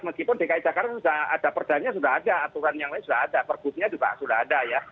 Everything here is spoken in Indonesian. meskipun dki jakarta sudah ada perdanya sudah ada aturan yang lain sudah ada pergubnya juga sudah ada ya